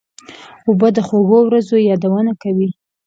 اوبه د خوږو ورځو یادونه کوي.